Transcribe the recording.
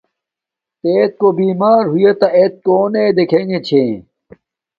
تے ایت کو بیمار ہویݷتا ایت کون دیکھیے گے چھے۔